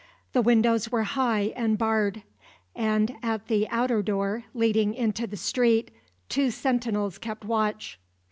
The windows were high and barred; and at the outer door, leading into the street, two sentinels kept watch.